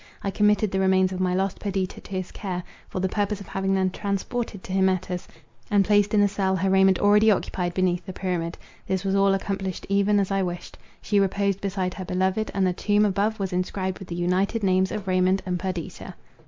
I committed the remains of my lost Perdita to his care, for the purpose of having them transported to Hymettus, and placed in the cell her Raymond already occupied beneath the pyramid. This was all accomplished even as I wished. She reposed beside her beloved, and the tomb above was inscribed with the united names of Raymond and Perdita.